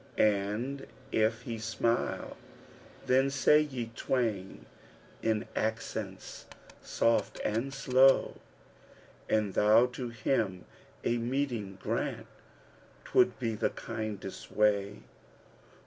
* And if he smile then say ye twain in accents soft and slow, 'An thou to him a meeting grant 'twould be the kindest way!